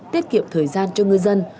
tiết kiệm thời gian cho ngư dân